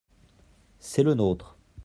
C’est le nôtre.